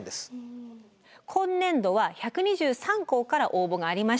今年度は１２３校から応募がありました。